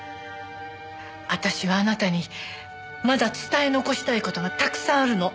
私はあなたにまだ伝え残したい事がたくさんあるの。